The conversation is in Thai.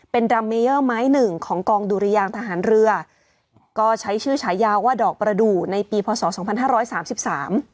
เป็นดรัมเมเยอร์ไม้หนึ่งของกองดุริยางทหารเรือก็ใช้ชื่อฉายาวว่าดอกประดูกในปีพศ๒๕๓๓